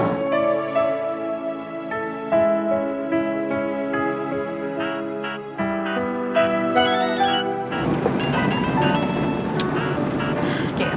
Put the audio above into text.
lo tuh yang ngecewakan